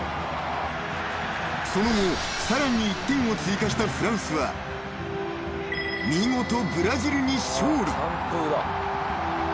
［その後さらに１点を追加したフランスは見事ブラジルに勝利］